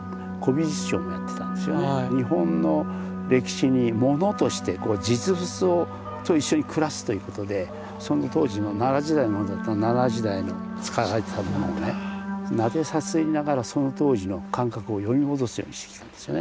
日本の歴史に物として実物と一緒に暮らすということでその当時の奈良時代のだったら奈良時代の使われてた物をねなでさすりながらその当時の感覚を呼び戻すようにしてきたんですよね。